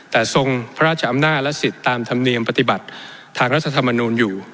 แต่ทรงพระราชอำนาจและสิทธิ์ตามธรรมเนียมปฏิบัติทางรัฐธรรมนูลอยู่